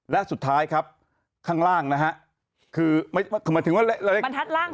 และสุดท้ายครับข้างล่างนะฮะคือหมายถึงว่าบรรทัดร่าง